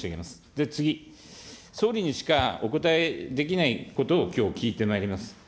で、次、総理にしかお答えできないことを、きょう聞いてまいります。